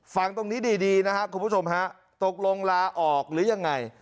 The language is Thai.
ฟังตรงนี้ดีนะครับคุณผู้ชมฮะตกลงลาออกหรือยังไง